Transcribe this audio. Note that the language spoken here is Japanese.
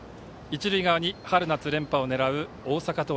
一塁側に春夏連覇を狙う大阪桐蔭。